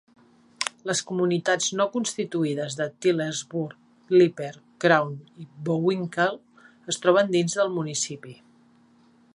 Les comunitats no constituïdes de Tylersburg, Leeper, Crown i Vowinckel es troben dins del municipi.